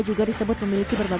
juga disebut memiliki berbahaya